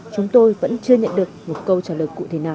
chúng tôi vẫn chưa nhận được một câu trả lời cụ thể nào